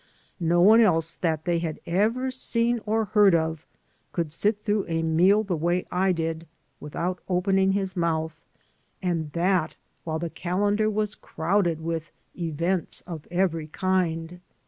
No one else that they had ever seen or heard of could sit through a meal the way I did without opening his mouth, and 15 215 AN AMERICAN IN THE MAKING that while the calendar was crowded with "events" of every kind.